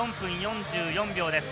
４分４４秒です。